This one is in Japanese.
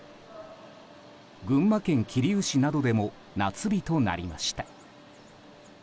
群馬県桐生市などでも夏日となりました。